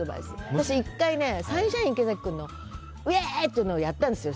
私、１回サンシャイン池崎君のイエーイ！ってやつやったんですよ。